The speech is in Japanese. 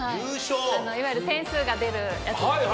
いわゆる点数が出るやつですよね。